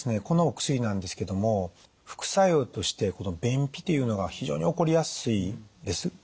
このお薬なんですけども副作用として便秘というのが非常に起こりやすいんです。